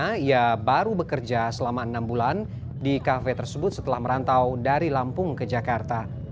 karena ia baru bekerja selama enam bulan di kafe tersebut setelah merantau dari lampung ke jakarta